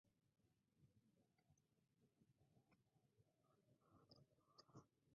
Se afirma que los pelos de elote ayudan a limpiar las vías urinarias.